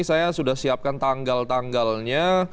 saya sudah siapkan tanggal tanggalnya